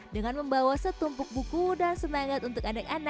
dengan membawa setumpuk buku dan senangat untuk anak anak yang telah menemunya